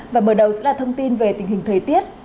và mở đầu sẽ là thông tin về tình hình thời tiết